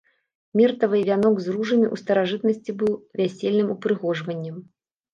Міртавыя вянок з ружамі ў старажытнасці быў вясельным упрыгожваннем.